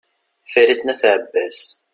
farid n at abbas